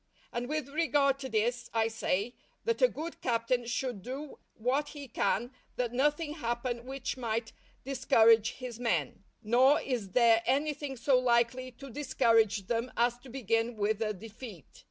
And with regard to this I say, that a good captain should do what he can that nothing happen which might discourage his men, nor is there anything so likely to discourage them as to begin with a defeat.